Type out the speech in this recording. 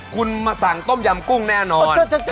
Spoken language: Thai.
คุณมาสั่งต้มยำกุ้งแน่นอน